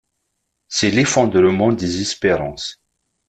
C'est l'effondrement des espérances.